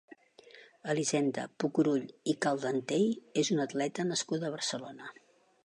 Elisenda Pucurull i Caldentey és una atleta nascuda a Barcelona.